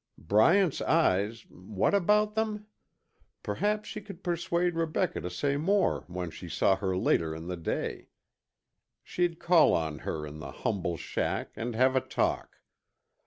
Bryant's eyes what about them? Perhaps she could persuade Rebecca to say more when she saw her later in the day. She'd call on her in the humble shack and have a talk.